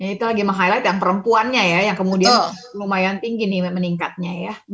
itu lagi meng highlight yang perempuannya ya yang kemudian lumayan tinggi nih meningkatnya ya